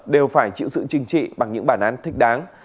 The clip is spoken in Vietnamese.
đều phải chịu sự chừng trị bằng những bản án thích đáng